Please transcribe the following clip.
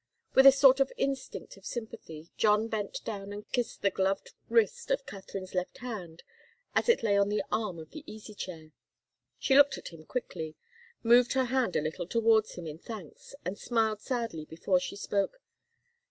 With a sort of instinct of sympathy, John bent down and kissed the gloved wrist of Katharine's left hand as it lay on the arm of the easychair. She looked at him quickly, moved her hand a little towards him in thanks, and smiled sadly before she spoke.